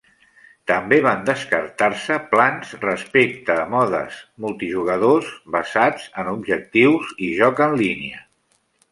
També van descartar-se plans respecte a modes multijugador basats en objectius i joc en línia.